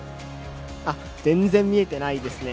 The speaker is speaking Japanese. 全然見えてないですね。